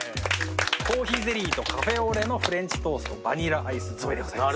コーヒーゼリーとカフェオレのフレンチトーストバニラアイス添えでございます。